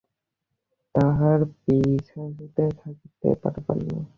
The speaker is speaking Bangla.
তাঁহারা পিছাইয়া থাকিতে পারেন না।